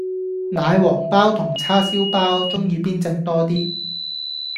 奶黃飽同叉燒飽鍾意邊隻多 D